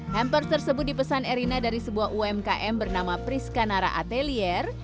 hampers tersebut dipesan erina dari sebuah umkm bernama priscanara atelier